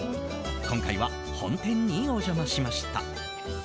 今回は本店にお邪魔しました。